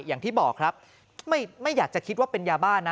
อย่างที่บอกครับไม่อยากจะคิดว่าเป็นยาบ้านนะ